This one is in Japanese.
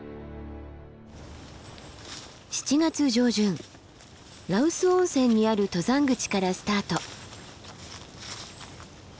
７月上旬羅臼温泉にある登山口からスタート。